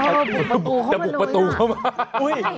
อ๋อปลูกประตูเข้ามาด้วยนะอุ๊ยจะปลูกประตูเข้ามา